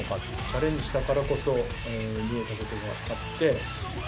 チャレンジしたからこそ見えたことがあって。